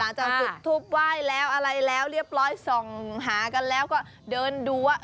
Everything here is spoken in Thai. หลังจากจุดทูบไหวแล้วเรียบร้อยส่องหากันแล้วก็เดินดูว่า